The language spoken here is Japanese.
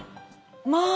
まあ！